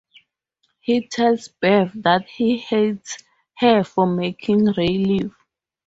He tells Bev that he hates her for making Ray leave.